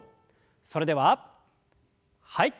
それでははい。